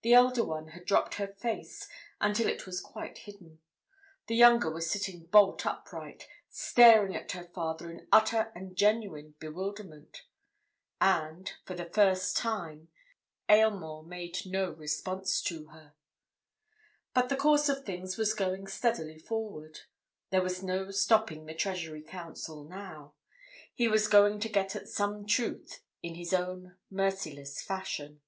The elder one had dropped her face until it was quite hidden; the younger was sitting bolt upright, staring at her father in utter and genuine bewilderment. And for the first time, Aylmore made no response to her. But the course of things was going steadily forward. There was no stopping the Treasury Counsel now; he was going to get at some truth in his own merciless fashion.